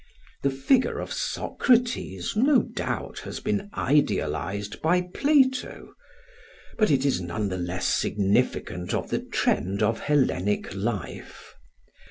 The figure of Socrates, no doubt, has been idealised by Plato, but it is none the less significant of the trend of Hellenic life.